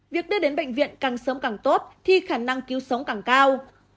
việc đưa đến bệnh viện càng sớm càng tốt thì khả năng cứu sống càng cao